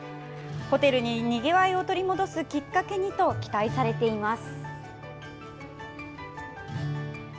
ホテルににぎわいを取り戻すきっかけにと、期待されています。